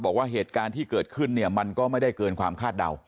บอกว่าเหตุการณ์ที่เกิดขึ้นเนี่ยมันก็ไม่ได้เกินความคาดเดา